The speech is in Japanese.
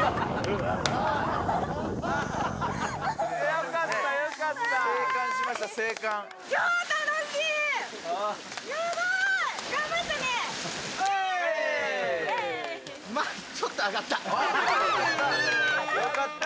よかった、よかった。